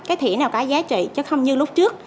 cái thẻ nào cả giá trị chứ không như lúc trước